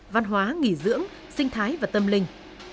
văn hóa nghỉ dưỡng sinh thái và tâm linh